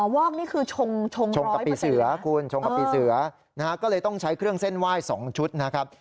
วอกนี่คือชงกับปีเสือคุณชงกับปีเสือนะฮะก็เลยต้องใช้เครื่องเส้นไหว้๒ชุดนะครับ